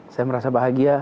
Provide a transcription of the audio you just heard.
saya merasa bahagia